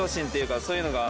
そういうのが。